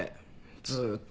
ずーっと。